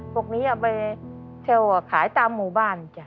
พวกนี้เอาไปเที่ยวขายตามหมู่บ้านจ้ะ